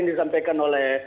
yang disampaikan oleh